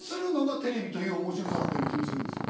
テレビという面白さだったような気もするんですよ。